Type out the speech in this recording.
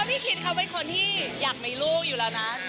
พี่คิดเขาเป็นคนที่อยากมีลูกอยู่แล้วนะ